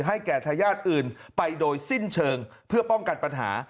แก่ทายาทอื่นไปโดยสิ้นเชิงเพื่อป้องกันปัญหา